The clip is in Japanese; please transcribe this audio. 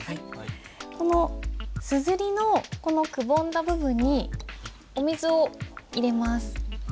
この硯のくぼんだ部分にお水を入れます。